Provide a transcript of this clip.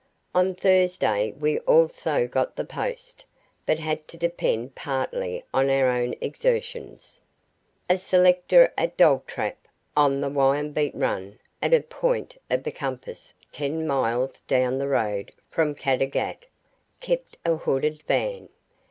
On Thursday we also got the post, but had to depend partly on our own exertions. A selector at Dogtrap, on the Wyambeet run, at a point of the compass ten miles down the road from Caddagat, kept a hooded van.